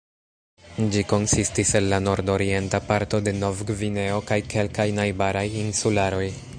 Ĝi konsistis el la nordorienta parto de Novgvineo kaj kelkaj najbaraj insularoj.